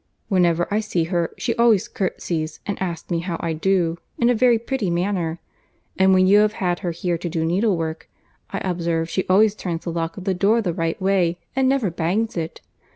Whenever I see her, she always curtseys and asks me how I do, in a very pretty manner; and when you have had her here to do needlework, I observe she always turns the lock of the door the right way and never bangs it.